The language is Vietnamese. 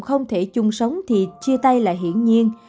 không thể chung sống thì chia tay là hiển nhiên